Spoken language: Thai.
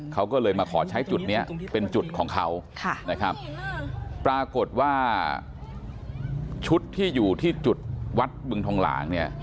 เขาก็เลยมาขอใช้จุดนี้เป็นจุดของเขานะครับปรากฏว่าชุดที่อยู่ที่จุดวัดบึงทองหลางเนี่ย